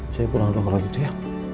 saya pulang dulu kalau gitu ya